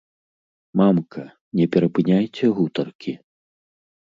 Мамка, не перапыняйце гутаркі!